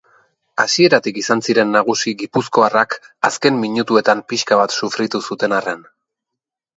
Hasieratik izan ziren nagusi gipuzkoarrak azken minutuetan pixka bat sufritu zuten arren.